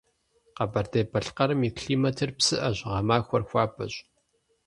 Къэбэрдей-Балъкъэрым и климатыр псыӏэщ, гъэмахуэр хуабэщ.